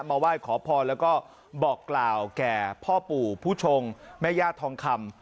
มาไหว้ขอพรแล้วก็บอกกล่าวแก่พ่อปู่ผู้ชงแม่ญาติทองคำ